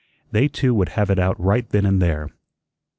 They two would have it out right then and there.